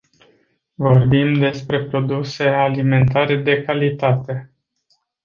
Vorbim despre produse alimentare de calitate!